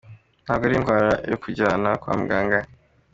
Ntabwo ari indwara yo kujyana kwa muganga.